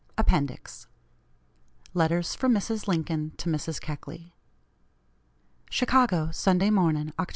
APPENDIX LETTERS FROM MRS. LINCOLN TO MRS. KECKLEY. "CHICAGO, Sunday Morning, Oct.